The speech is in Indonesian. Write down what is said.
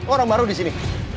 orang baru disini